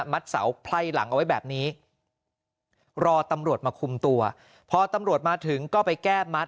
เสาไพ่หลังเอาไว้แบบนี้รอตำรวจมาคุมตัวพอตำรวจมาถึงก็ไปแก้มัด